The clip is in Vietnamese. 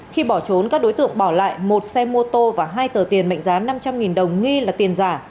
khi bỏ trốn các đối tượng bỏ lại một xe mô tô và hai tờ tiền mệnh giá năm trăm linh đồng nghi là tiền giả